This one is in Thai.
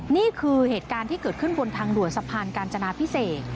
นี่คือเหตุการณ์ที่เกิดขึ้นบนทางด่วนสะพานกาญจนาพิเศษ